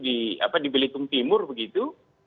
di apa di belitung timur begitu